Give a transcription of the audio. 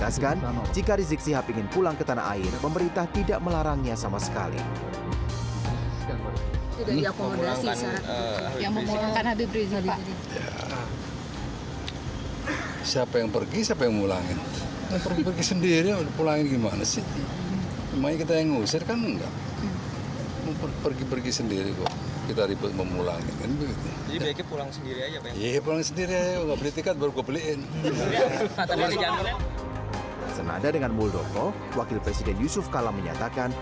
senada dengan muldoko wakil presiden yusuf kala menyatakan